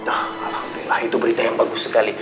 alhamdulillah itu berita yang bagus sekali